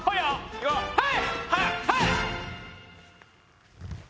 はい！